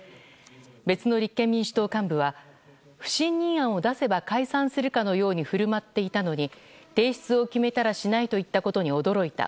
別の立憲民主党幹部は不信任案を出せば解散するかのように振る舞っていたのに提出を決めたらしないと言ったことに驚いた。